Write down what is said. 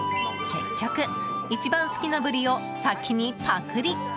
結局、一番好きなブリを先にパクリ。